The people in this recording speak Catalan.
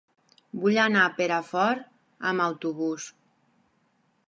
Vull anar a Perafort amb autobús.